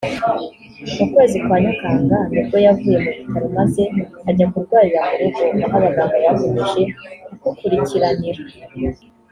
mu kwezi kwaNyakanga nibwo yavuye mu bitaro maze ajya kurwarira mu rugo aho abaganga bakomeje kukukurikiranira